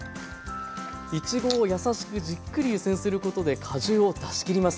いちごをやさしくじっくり湯煎することで果汁を出しきります。